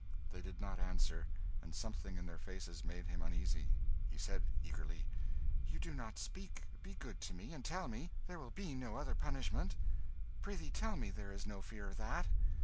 They did not answer; and something in their faces made him uneasy. He said, eagerly "You do not speak; be good to me, and tell me there will be no other punishment? Prithee tell me there is no fear of that."